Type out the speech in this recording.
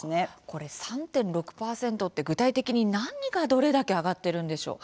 これ３．６％って具体的に、何がどれだけ上がっているんでしょう。